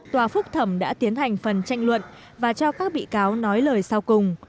tòa phúc thẩm đã tiến hành phần tranh luận và cho các bị cáo nói lời sau cùng